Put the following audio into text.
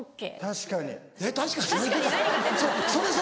「確かに」